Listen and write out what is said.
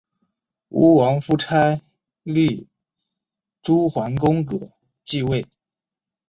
吴王夫差立邾桓公革继位。